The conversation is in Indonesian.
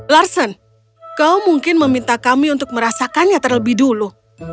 larsen kau mungkin meminta kami untuk merasakannya terlebih dulu